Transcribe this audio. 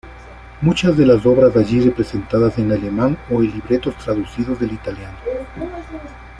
Muchas de las obras allí representadas en alemán o libretos traducidos del italiano.